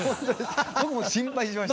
僕も心配しました。